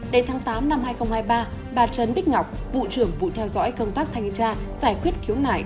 đến tháng tám năm hai nghìn hai mươi ba bà trần bích ngọc vụ trưởng vụ theo dõi công tác thanh tra giải quyết khiếu nại